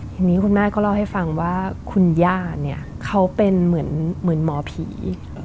ทีนี้คุณแม่ก็เล่าให้ฟังว่าคุณย่าเนี่ยเขาเป็นเหมือนหมอผี